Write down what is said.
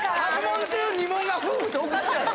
３問中２問が夫婦っておかしいやろ。